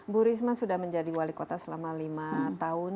bu risma sudah menjadi wali kota selama lima tahun